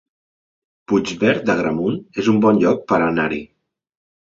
Puigverd d'Agramunt es un bon lloc per anar-hi